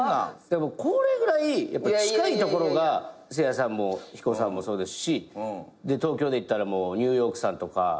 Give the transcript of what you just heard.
これぐらい近いところがせいやさんもヒコさんもそうですし東京でいったらニューヨークさんとか。